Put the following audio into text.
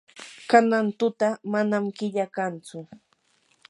kanan tuta manam killa kantsu.